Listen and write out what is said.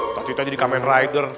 atau cita jadi kamen rider